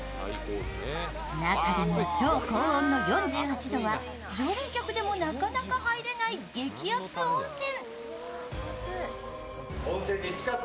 中でも超高温の４８度は常連客でもなかなか入れない激熱温泉。